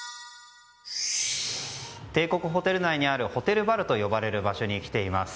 帝国ホテルにあるホテルバルと呼ばれる場所に来ています。